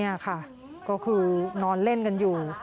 นี่ค่ะก็คือนอนเล่นกันอยู่